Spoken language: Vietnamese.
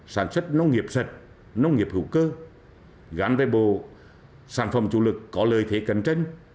sản xuất nông nghiệp sật nông nghiệp hữu cơ gắn với bộ sản phẩm chủ lực có lợi thế cẩn trấn